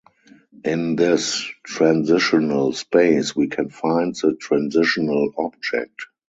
In this "transitional space" we can find the "transitional object".